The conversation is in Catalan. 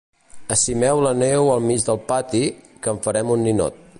Acimeu la neu al mig del pati, que en farem un ninot.